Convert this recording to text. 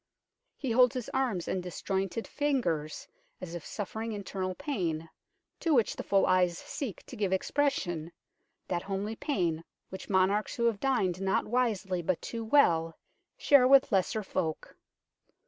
He holds his arms and disjointed fingers as if suffering internal pain, to which the full eyes seek to give expression, that homely pain which monarchs who have dined not wisely but too well share with lesser folk.